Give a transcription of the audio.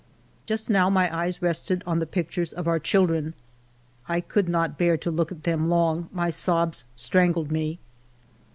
... "Just now my eyes rested on the pictures of our children. I could not bear to look at them long; my sobs strangled me.